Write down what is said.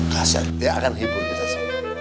kasiatnya akan hibur kita semua